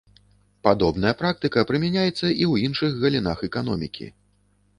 Падобная практыка прымяняецца і ў іншых галінах эканомікі.